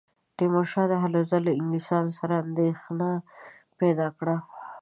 د تیمورشاه هلو ځلو انګلیسیانو سره اندېښنه پیدا کړه.